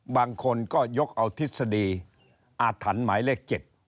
บางคนก็ยกเอาทฤษฎีอาถรรพ์หมายเลข๗